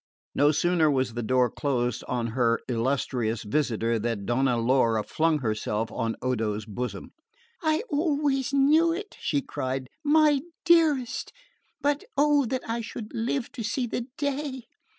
No sooner was the door closed on her illustrious visitor than Donna Laura flung herself on Odo's bosom. "I always knew it," she cried, "my dearest; but, oh, that I should live to see the day!"